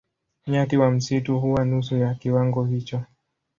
Nyati wa msitu huwa nusu ya kiwango hicho.